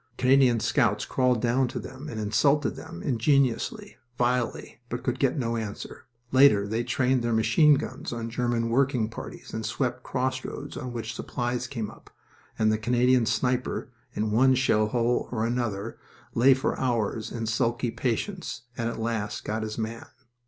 Canadian scouts crawled down to them and insulted them, ingeniously, vilely, but could get no answer. Later they trained their machine guns on German working parties and swept crossroads on which supplies came up, and the Canadian sniper, in one shell hole or another, lay for hours in sulky patience, and at last got his man...